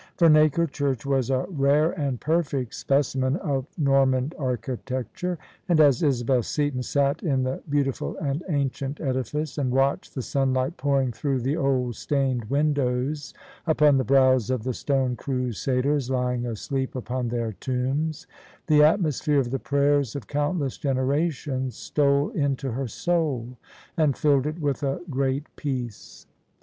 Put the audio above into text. Vemacre Church was a rare and perfect specimen of Norman architecture : and as Isabel Seaton sat in the beauti ful and ancient edifice, and watched the sunlight pouring through the old stained windows upon the brows of the stone Crusaders lying asleep upon their tombs, the atmos phere of the prayers of countless generations stole into her soul and filled it with a great peace.